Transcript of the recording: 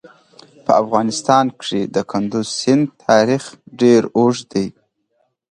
په افغانستان کې د کندز سیند تاریخ ډېر اوږد دی.